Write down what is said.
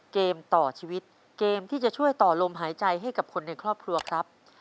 เกมต่อชีวิตเกมที่จะช่วยต่อลมหายใจให้กับคนในครอบครัวครับ